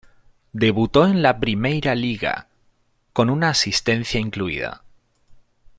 Debutó en la Primeira Liga con una asistencia incluida.